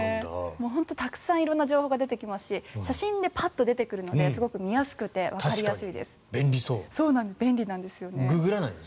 たくさん色んな情報が出てきますし写真でパッと出てくるのですごく見やすくてわかりやすいです。